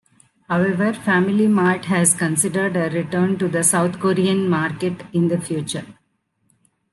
However, FamilyMart has considered a return to the South Korean market in the future.